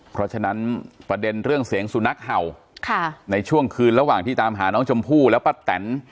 เพราะฉะนั้นประเด็นเรื่องเสียงสุนัขเห่าในช่วงคืนระหว่างที่ตามหาน้องชมพู่และป้าแตน